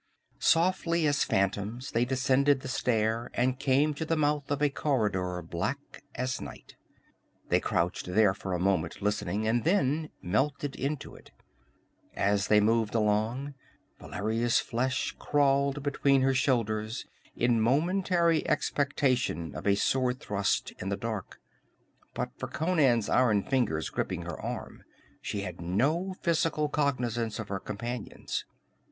Softly as phantoms they descended the stair and came to the mouth of a corridor black as night. They crouched there for a moment, listening, and then melted into it. As they moved along, Valeria's flesh crawled between her shoulders in momentary expectation of a sword thrust in the dark. But for Conan's iron fingers gripping her arm she had no physical cognizance of her companions.